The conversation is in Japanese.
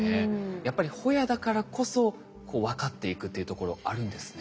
やっぱりホヤだからこそ分かっていくというところあるんですね。